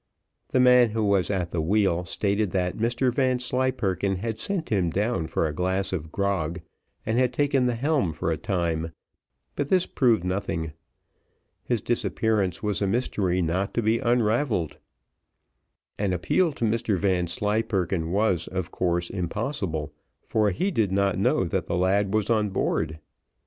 The man who was at the wheel stated that Mr Vanslyperken had sent him down for a glass of grog, and had taken the helm for the time; but this proved nothing. His disappearance was a mystery not to be unravelled. An appeal to Mr Vanslyperken was, of course, impossible, for he did not know that the lad was on board.